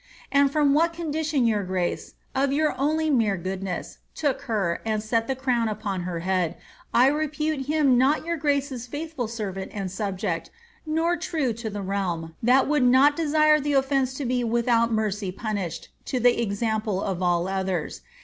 And from what condition your grace, of your only mere goodness, took her, and set the crown upon her head, I repute him not your grace's faithful servant and subject, nor true to the realm, that would not desire the offence lo be without mercy punished, to the example of all others.